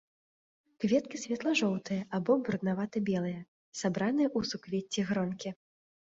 Кветкі светла-жоўтыя або бруднавата-белыя, сабраны ў суквецці-гронкі.